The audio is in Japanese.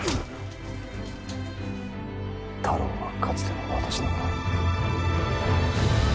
太郎はかつての私なんだ。